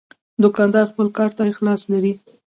دوکاندار خپل کار ته اخلاص لري.